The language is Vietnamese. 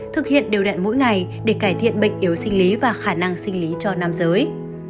thực hiện đều đặn mỗi ngày để cải thiện bệnh yếu sinh lý và khả năng sinh lý cho nam giới